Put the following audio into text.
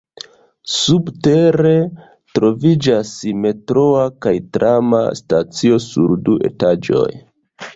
Subtere troviĝas metroa kaj trama stacio sur du etaĝoj.